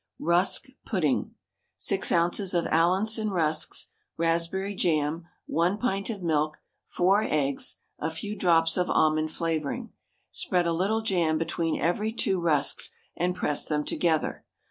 RUSK PUDDING. 6 oz. of Allinson rusks, raspberry jam, 1 pint of milk, 4 eggs, a few drops of almond flavouring. Spread a little jam between every two rusks, and press them together.